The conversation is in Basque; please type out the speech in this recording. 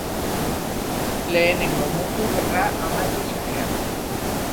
Lehenengo Mundu Gerra amaitu zenean.